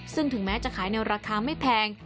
ซึ่งถึงแม้จะขายในราคาไม่แพง